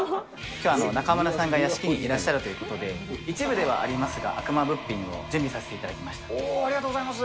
きょう、中丸さんが屋敷にいらっしゃるということで、一部ではありますが、悪魔物品を準備さありがとうございます。